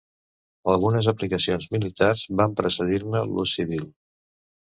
Algunes aplicacions militars van precedir-ne l'ús civil.